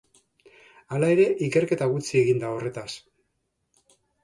Hala ere ikerketa gutxi egin da horretaz.